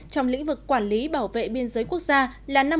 trong lĩnh vực quản lý bảo vệ biên giới quốc gia là năm mươi triệu đồng